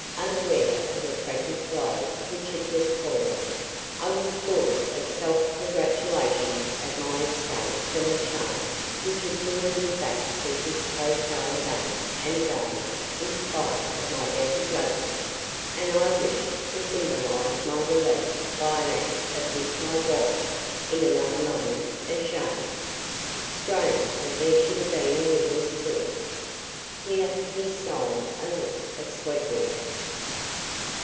Unaware of the tragic blow which had just fallen, I was full of self congratulations at my escape from the charm which had lured me back to this hotel again and again in spite of my better judgment, and I wished to symbolise my relief by an act of which I was, in another moment, ashamed. Strange that there should have been a witness to it. (Here he stole a look at Sweetwater.)